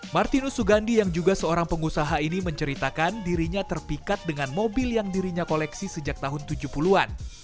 martinus sugandi yang juga seorang pengusaha ini menceritakan dirinya terpikat dengan mobil yang dirinya koleksi sejak tahun tujuh puluh an